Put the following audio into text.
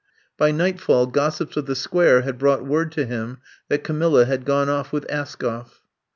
By nightfall gossips of the Sqnare had brought word to him that Camilla had gone off with Askoff.